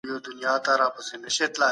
ټکنالوژي زموږ ژوند بدلوي.